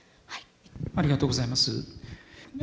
ありがとうございます。